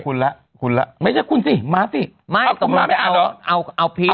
คุณล่ะคุณล่ะคุณล่ะ